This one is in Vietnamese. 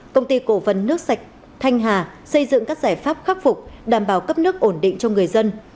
công ty cổ phần nước sạch thanh hà xây dựng các giải pháp khắc phục đảm bảo cấp nước ổn định cho người dân